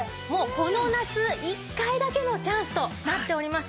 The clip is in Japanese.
この夏一回だけのチャンスとなっております。